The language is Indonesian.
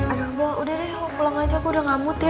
aduh bel udah deh lo pulang aja aku udah ngamut ya